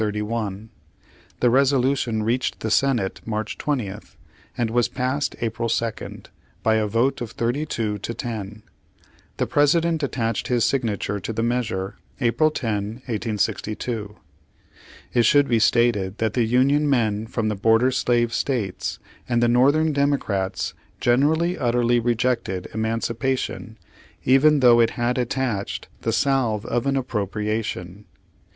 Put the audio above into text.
* The resolution reached the Senate March 20th, and was passed April 2nd, by a vote of 32 to 10. The President attached his signature to the measure April 10, 1862. It should be stated that the Union men from the border slave States, and the Northern Democrats generally utterly rejected emancipation even though it had attached the salve of an appropria tion.